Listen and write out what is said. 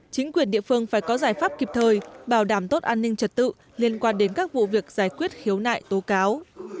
chính quyền địa phương phải có giải pháp kịp thời bảo đảm tốt an ninh trật tự liên quan đến các vụ việc giải quyết khiếu nại tố cáo